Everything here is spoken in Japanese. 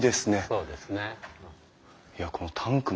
そうですね。